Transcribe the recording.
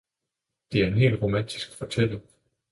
Det er en hel romantisk fortælling!